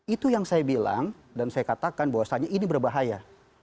itu yang saya bilang dan saya katakan bahwasannya ini berbahaya